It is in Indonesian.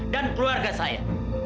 dan keluarga saya